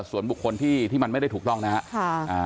ส่วนบุคคลที่มันไม่ได้ถูกต้องนะครับ